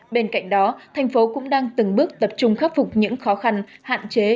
bên cạnh đó thành phố cũng đang từng bước tập trung khắc phục những khó khăn hạn chế